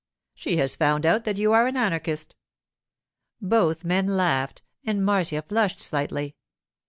'She has found out that you are an anarchist.' Both men laughed, and Marcia flushed slightly.